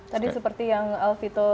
tadi seperti yang alfito